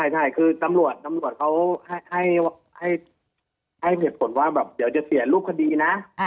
ใช่คือตำรวจตำรวจเขาให้เหตุผลว่าแบบเดี๋ยวจะเสียรูปคดีนะ